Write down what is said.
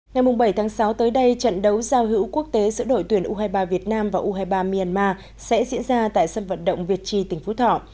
ngày bảy tháng sáu tới đây trận đấu giao hữu quốc tế giữa đội tuyển u hai mươi ba việt nam và u hai mươi ba myanmar sẽ diễn ra tại sân vận động việt trì tỉnh phú thọ